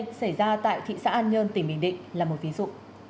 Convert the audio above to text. câu chuyện xảy ra tại thị xã an nhân tỉnh bình định là một ví dụ